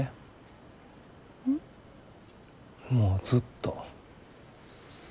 もうずっと。